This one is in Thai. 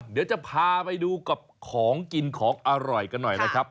เดี๋ยวจะพาไปดูกับของกินของอร่อยกันหน่อยนะครับ